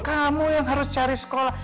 kamu yang harus cari sekolah